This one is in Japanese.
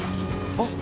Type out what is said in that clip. ・あっ！！